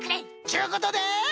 ちゅうことで。